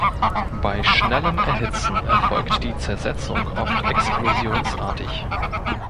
Bei schnellem Erhitzen erfolgt die Zersetzung oft explosionsartig.